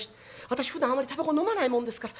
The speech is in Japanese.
私ふだんあまり煙草のまないもんですから。